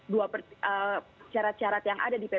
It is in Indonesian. dua carat carat yang ada di pp sembilan puluh sembilan ini